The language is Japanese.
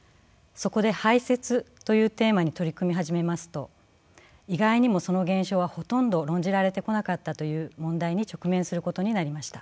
そこで「排泄」というテーマに取り組み始めますと意外にもその現象はほとんど論じられてこなかったという問題に直面することになりました。